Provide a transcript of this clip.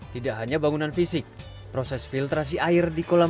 tidak hanya bangunan fisik proses filtrasi air di kolam tersebut juga telah terpasang